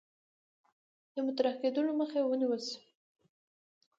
د مطرح کېدلو مخه یې ونیول شي.